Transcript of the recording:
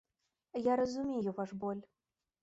Я разумею ваш боль.